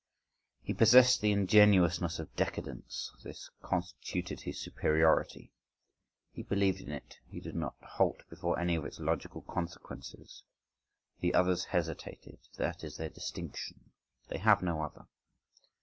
He possessed the ingenuousness of decadence: this constituted his superiority. He believed in it. He did not halt before any of its logical consequences. The others hesitated—that is their distinction. They have no other.